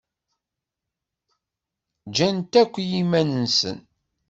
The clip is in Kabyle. Gan-t akk i yiman-nsen.